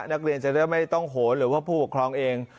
นักเรียนจะได้ไม่ต้องโหนหรือว่าผู้ปกครองเอง